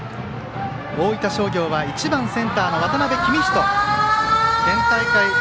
大分商業は１番センター、渡邊公人から。